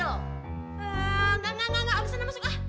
engga engga engga aku kesana masuk ah